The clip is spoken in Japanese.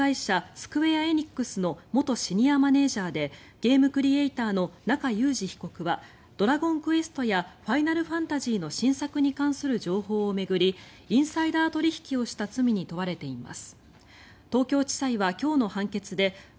スクウェア・エニックスの元シニアマネジャーでゲームクリエーターの中裕司被告は「ドラゴンクエスト」や「ファイナルファンタジー」の新作に関する情報を巡りインサイダー取引をした罪に問われています。